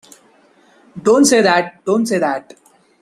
Don't say that, don't say that.